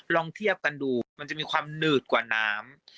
ลองเทียบกันดูมันจะมีความหนืดกว่าน้ำ